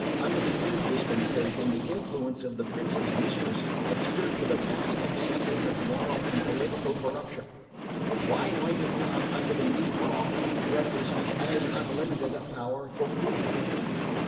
Under the old dispensation the influence of the prince's mistress had stood for the last excesses of moral and political corruption; why might it not, under the new law, come to represent as unlimited a power for good?